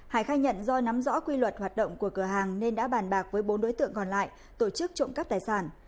hải khai nhận do nắm rõ quy luật hoạt động của cửa hàng nên đã bàn bạc với bốn đối tượng còn lại tổ chức trộm cắp tài sản